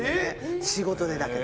仕事でだけど。